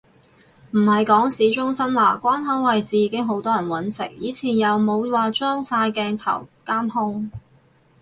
唔係講市中心啦，關口位置已經好多人搵食，以前又冇話裝晒鏡頭監控